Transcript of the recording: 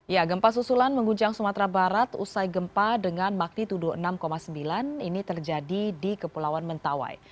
ya gempa susulan mengguncang sumatera barat usai gempa dengan magnitudo enam sembilan ini terjadi di kepulauan mentawai